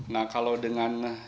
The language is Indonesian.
nah kalau dengan